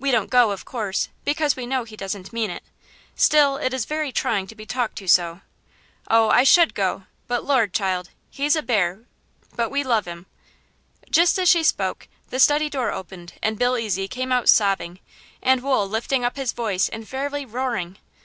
We don't go, of course, because we know he doesn't mean it; still, it is very trying to be talked to so. Oh, I should go, but Lord, child, he's a bear, but we love him." Just as she spoke the study door opened and Bill Ezy came out sobbing, and Wool lifting up his voice and fairly roaring.